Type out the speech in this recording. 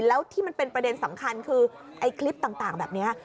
แล้วที่มันเป็นประเด็นสำคัญคือไอ้คลิปต่างแบบนี้